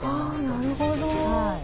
あなるほど。